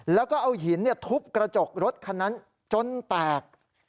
แล้วก็เอาหินทุบกระจกรถคันนั้นจนแตก